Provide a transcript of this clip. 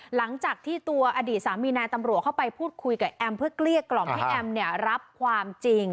หลังจากที่ตัวอดีตสามีนายตำรวจเข้าไปพูดคุยกับแอมเพื่อเกลี้ยกล่อมให้แอมเนี่ยรับความจริง